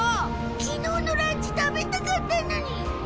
きのうのランチ食べたかったのに！